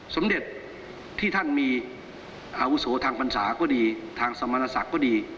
สมเด็จที่ท่านมีอาวุโสทางพรรษาก็ดีทางสมณศักดิ์ก็ดี